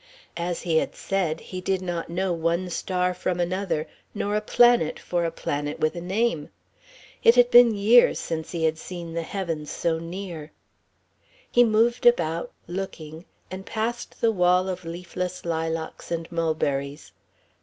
As he had said, he did not know one star from another, nor a planet for a planet with a name. It had been years since he had seen the heavens so near. He moved about, looking, and passed the wall of leafless lilacs and mulberries.